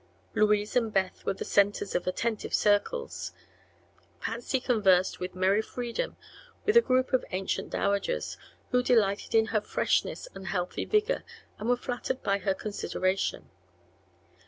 Louise and Beth were the centers of attentive circles; Patsy conversed with merry freedom with a group of ancient dowagers, who delighted in her freshness and healthy vigor and were flattered by her consideration.